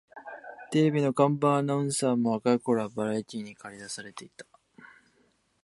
テレビの看板アナウンサーも若い頃はバラエティーにかり出されていた